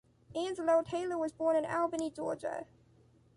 Angelo Taylor was born in Albany, Georgia.